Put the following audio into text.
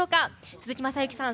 鈴木雅之さん